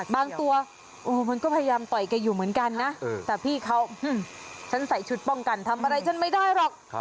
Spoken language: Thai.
บางตัวมันก็พยายามต่อยแกอยู่เหมือนกันนะแต่พี่เขาฉันใส่ชุดป้องกันทำอะไรฉันไม่ได้หรอก